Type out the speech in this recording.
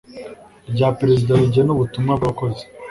rya Perezida rigena ubutumwa bw abakozi